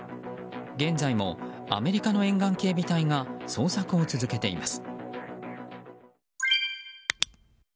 現在もアメリカの沿岸警備隊が捜索を続けています。